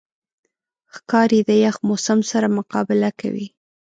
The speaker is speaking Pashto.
ښکاري د یخ موسم سره مقابله کوي.